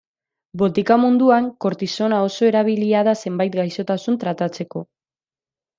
Botika moduan kortisona oso erabilia da zenbait gaixotasun tratatzeko.